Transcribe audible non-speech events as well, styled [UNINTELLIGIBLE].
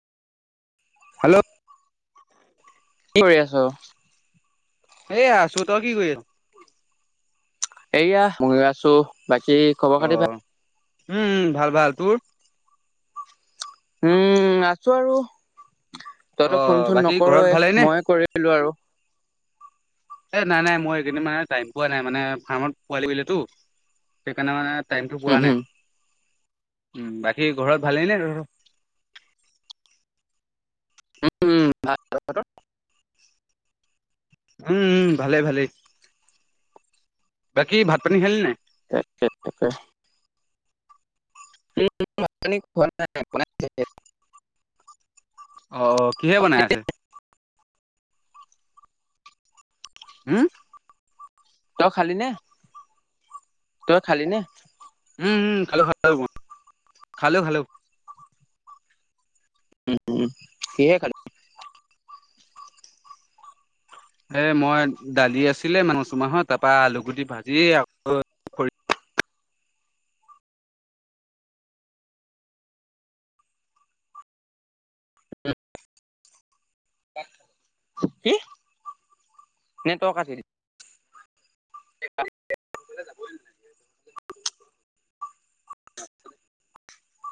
Hello? কি কৰি আছ'? এইয়া আছো, তই কি কৰি আছ'? এইয়া ময়ো আছো বাকী অ খবৰ-খাতি ভাল? উম, ভাল ভাল, তোৰ? উম, আছো আৰু অ তইতো ফোনচোন বাকী ঘৰত ভালেই নে নকৰয়েই মইে কৰি কৰিলো আৰু। এ নাই নাই মই এইকেইদিন মানে টাইম পোৱা নাই মানে ফাৰ্মত পোৱালি [UNINTELLIGIBLE] সেইকাৰণে মানে টাইমটো উম পোৱা নাই হম। উম, বাকী ঘৰত ভালেইনে তহঁতৰ? উম, ভাল তহঁতৰ? উম, উম, ভালে ভালেই বাকী ভাত-পানী খালি নাই? [UNINTELLIGIBLE] উম, ভাত-পানী খোৱা নাই বনাইছেহে। অ', কিহে বনাই আছে? উম? তই খালি নে, তই খালি নে? উম, উম, খালো খালো মই খালো খালো। উম, কিহে খালি? এ মই দালি আছিলে মচুমাহৰ তাপা আলু গুটি ভাজি আ কি? নে তই [UNINTELLIGIBLE] [UNINTELLIGIBLE] [INAUDIBLE]